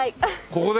ここで？